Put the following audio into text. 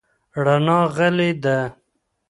رڼا غلې ده .